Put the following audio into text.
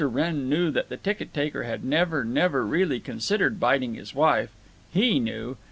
Wrenn knew that the ticket taker had never, never really considered biting his wife. He knew!